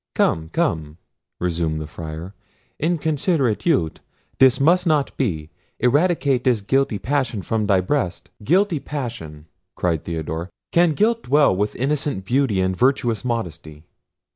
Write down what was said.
"Come, come," resumed the Friar, "inconsiderate youth, this must not be; eradicate this guilty passion from thy breast—" "Guilty passion!" cried Theodore: "Can guilt dwell with innocent beauty and virtuous modesty?"